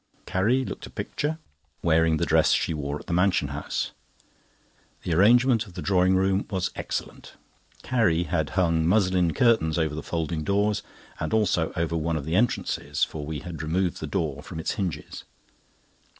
Carrie looked a picture, wearing the dress she wore at the Mansion House. The arrangement of the drawing room was excellent. Carrie had hung muslin curtains over the folding doors, and also over one of the entrances, for we had removed the door from its hinges.